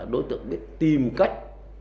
đối tượng biết tìm cách